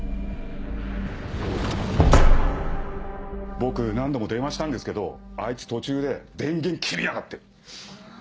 僕何度も電話したんですけどあいつ途中で電源切りやがって。